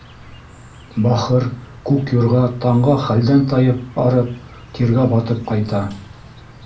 Бахыр күк юрға таңға хәлдән тайып арып, тиргә батып ҡайта.